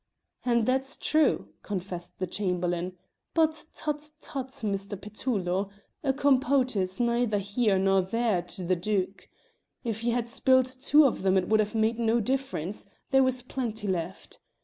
"And that's true," confessed the Chamberlain. "But, tut! tut! Mr. Petullo, a compote's neither here nor there to the Duke. If you had spilt two of them it would have made no difference; there was plenty left.